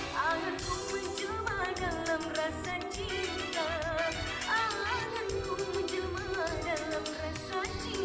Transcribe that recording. sampai jumpa di video selanjutnya